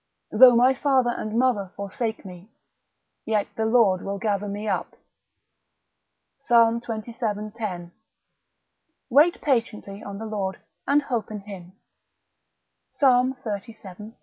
Though my father and mother forsake me, yet the Lord will gather me up, Psal. xxvii. 10. Wait patiently on the Lord, and hope in him, Psal. xxxvii.